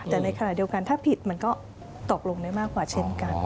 แต่ในขณะเดียวกันถ้าผิดมันก็ตกลงได้มากกว่าเช่นกัน